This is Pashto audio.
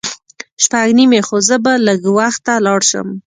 شپږ نیمې خو زه به لږ وخته لاړ شم.